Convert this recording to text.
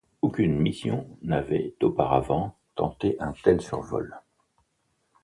Aucune mission n'avait auparavant tenté un tel survol.